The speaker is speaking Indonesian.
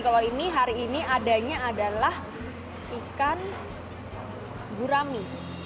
kalau ini hari ini adanya adalah ikan gurami